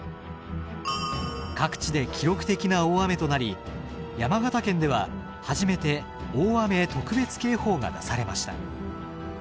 各地で記録的な大雨となり山形県では初めて「大雨特別警報」が出されました。